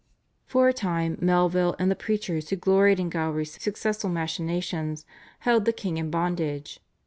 For a time Melville and the preachers, who gloried in Gowrie's successful machinations, held the king in bondage.